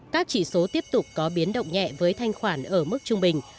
các chỉ số tiếp tục có biến động nhẹ với thanh khoản ở mức trung bình